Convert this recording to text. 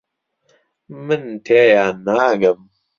من تێیان ناگەم.